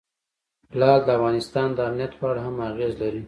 لعل د افغانستان د امنیت په اړه هم اغېز لري.